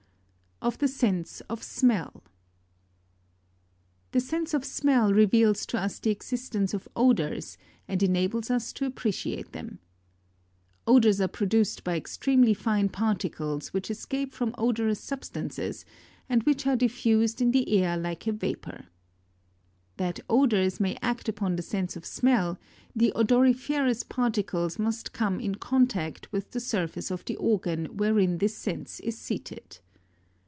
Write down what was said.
OF THE SENSE OF SMELL. 24. The sense of smell reveals to us the existence of odours and enables us to appreciate them. 25. Odours are produced by extremely fine particles, which escape from odorous substances, and which are diffused in the air like a vapour. 26. That odours may act upon the sense of smell, the odoriferous particles must come in contact with the surface of the organ wherein this sense is seated.